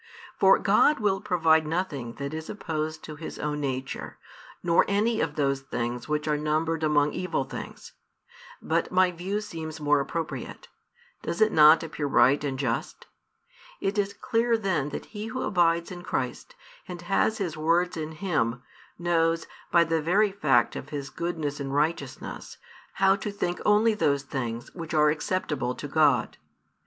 For God will provide nothing that is opposed to His own Nature, nor any of those things which are numbered among evil things. But my view seems more appropriate: does it not appear right and just? It is clear then that He who abides in Christ, and has His words in him, knows, by the very fact of his goodness and righteousness, how |391 to think only those things which are acceptable to God.